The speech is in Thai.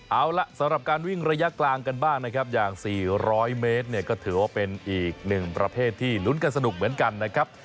เอาล่ะสำหรับการวิ่งระยะกลางกันบ้างนะครับอย่าง๔๐๐เมตรเนี่ยก็ถือว่าเป็นอีกหนึ่งประเภทที่ลุ้นกันสนุกเหมือนกันนะครับ